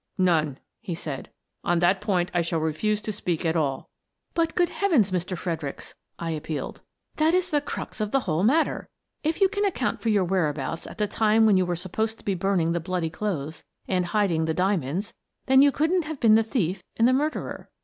" None," he said. " On that point I shall re fuse to speak at all." "But, good Heavens, Mr. Fredericks," I ap pealed, " that is the crux of the whole matter! If you can account for your whereabouts at the time when you were supposed to be burning the bloody clothes and hiding the diamonds, then you couldn't have been the thief and the murderer.